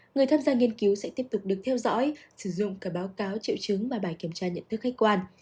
người tham gia nghiên cứu sẽ tiếp tục được theo dõi sử dụng cả báo cáo triệu chứng và bài kiểm tra nhận thức khách quan